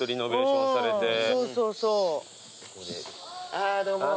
あどうも。